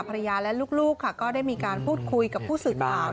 ภรรยาและลูกค่ะก็ได้มีการพูดคุยกับผู้สื่อข่าว